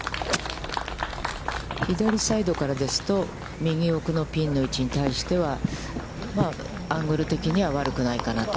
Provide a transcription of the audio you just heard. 左サイドからですと、右奥のピンの位置に対しては、アングル的には悪くないかなと。